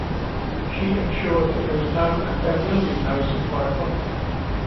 She ensured that there is no and there will be no supply problem.